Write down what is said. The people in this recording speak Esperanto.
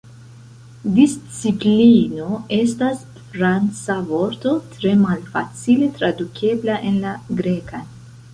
Disciplino estas Franca vorto tre malfacile tradukebla en la Grekan.